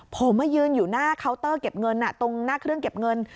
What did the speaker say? ผมมายืนอยู่หน้าเคาน์เตอร์เก็บเงินตรงหน้าเครื่องเก็บเงิน